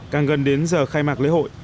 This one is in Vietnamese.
càng gần đến giờ khai mạc lễ hội